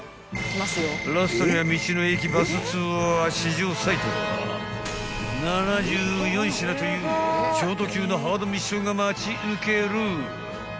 ［ラストには道の駅バスツアー史上最多７４品という超ど級のハードミッションが待ち受ける］